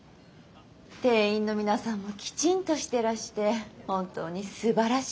店員の皆さんもきちんとしてらして本当にすばらしいお店です。